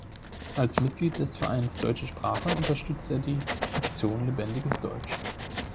Als Mitglied des Vereins Deutsche Sprache unterstützt er die "Aktion Lebendiges Deutsch".